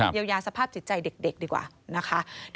เยียวยาสภาพจิตใจเด็กดีกว่านะคะ